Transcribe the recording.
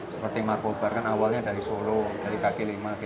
seperti markobar kan awalnya dari solo dari kaki lima